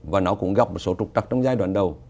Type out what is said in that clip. và nó cũng gặp một số trục trặc trong giai đoạn đầu